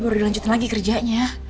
baru dilanjutin lagi kerjanya